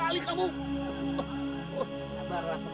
tapi dia udah peduli